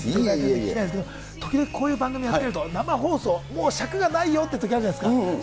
時々こういう番組やってると、生放送、もう尺がないよっていうときあるじゃないですか。